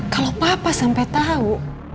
kalau papa sampai tahu